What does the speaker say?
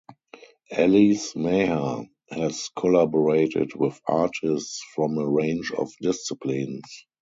Alice Maher has collaborated with artists from a range of disciplines.